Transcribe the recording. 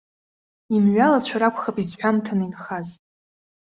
Имҩалацәа ракәхап изҳәамҭаны инхаз.